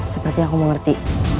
seperti aku mengerti